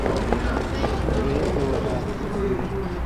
بەیەکەوە ھاتین.